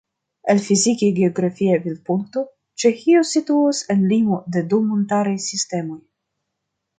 El fizike-geografia vidpunkto Ĉeĥio situas en limo de du montaraj sistemoj.